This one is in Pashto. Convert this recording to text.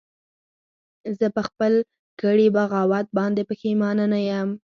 زه په خپل کړي بغاوت باندې پښیمانه نه یم